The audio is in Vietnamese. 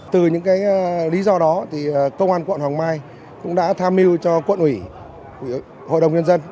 từ những lý do đó công an quận hoàng mai cũng đã tham mưu cho quận ủy hội đồng nhân dân